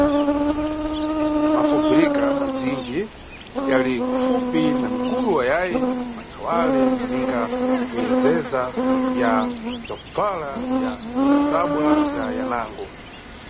Mafobirika mazinji yali kufupi na mikulo ayayi mathawale, ninga kuyezeza, ya bzakubvala, ya matabwa na yanango.